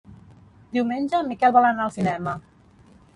Diumenge en Miquel vol anar al cinema.